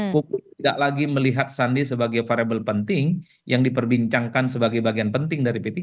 publik tidak lagi melihat sandi sebagai variable penting yang diperbincangkan sebagai bagian penting dari p tiga